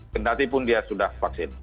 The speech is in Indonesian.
tentatipun dia sudah vaksin